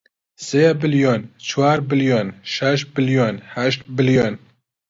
سێ بلیۆن، چوار بلیۆن، شەش بلیۆن، هەشت بلیۆن